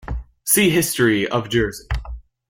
See History of Jersey.